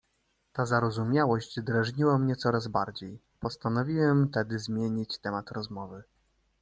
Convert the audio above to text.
"Ta zarozumiałość drażniła mnie coraz bardziej, postanowiłem tedy zmienić temat rozmowy."